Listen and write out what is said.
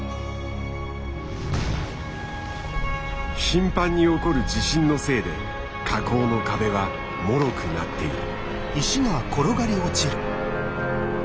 頻繁に起こる地震のせいで火口の壁はもろくなっている。